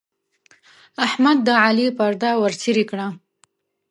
احمد د علي پرده ورڅيرې کړه.